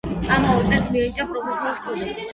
ამავე წელს მიენიჭა პროფესორის წოდება.